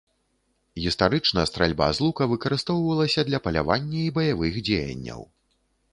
Гістарычна стральба з лука выкарыстоўвалася для палявання і баявых дзеянняў.